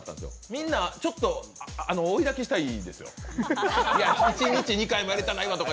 みんなちょっと、追い泣きしたりしたんですよ、一日２回もくらいたないわとか。